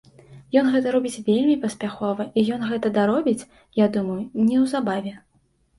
Ён гэта робіць вельмі паспяхова, і ён гэта даробіць, я думаю, неўзабаве.